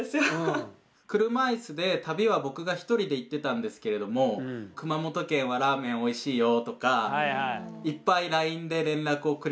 車いすで旅は僕が１人で行ってたんですけれども熊本県はラーメンおいしいよとかいっぱいラインで連絡をくれていたっていう関係でした。